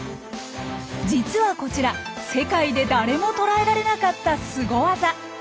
実はこちら世界で誰もとらえられなかったスゴ技。